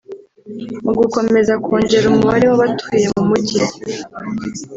Mu gukomeza kongera umubare w’abatuye mu mijyi